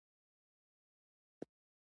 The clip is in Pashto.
هر څوک حق لري چې ازاد فکر وکړي په پښتو ژبه.